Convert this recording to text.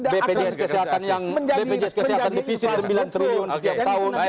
bpjs kesehatan yang dipisih sembilan triliun setiap tahun